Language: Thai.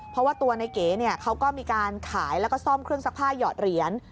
เพราะว่าตัวในเก๋เขาก็มีการขายแล้วก็ซ่อมเครื่องซักผ้าหยอดเหรียญ